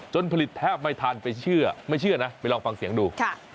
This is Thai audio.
ผลิตแทบไม่ทันไปเชื่อไม่เชื่อนะไปลองฟังเสียงดู